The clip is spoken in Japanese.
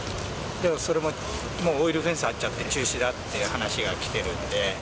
それももうオイルフェンス張っちゃって、中止だって話が来てるんで。